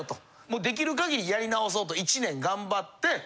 もう出来る限りやり直そうと１年頑張って。